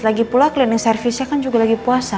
lagipula cleaning service nya kan juga lagi puasa